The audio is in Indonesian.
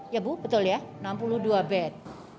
ya bu betul ya enam puluh dua bed